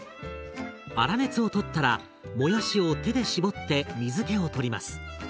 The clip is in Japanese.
粗熱を取ったらもやしを手で絞って水けを取ります。